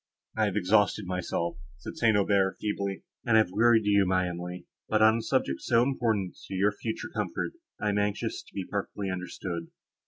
I have exhausted myself," said St. Aubert, feebly, "and have wearied you, my Emily; but, on a subject so important to your future comfort, I am anxious to be perfectly understood."